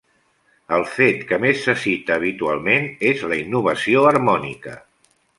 El fet que més se cita habitualment és la innovació harmònica.